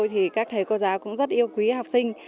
thì các thầy cô giáo cũng rất yêu quý học sinh